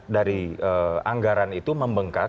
dari anggaran itu membengkak